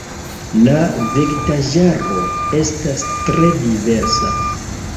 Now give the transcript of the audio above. La vegetaĵaro estas tre diversa.